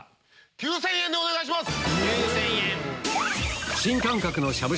９０００円でお願いします！